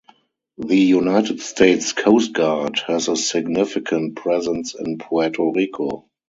The United States Coast Guard has a significant presence in Puerto Rico.